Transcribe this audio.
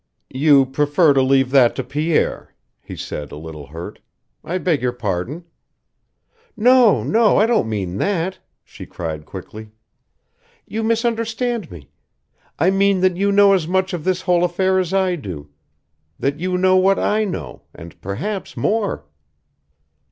"You prefer to leave that to Pierre," he said a little hurt. "I beg your pardon." "No, no! I don't mean that!" she cried, quickly. "You misunderstand me. I mean that you know as much of this whole affair as I do, that you know what I know, and perhaps more."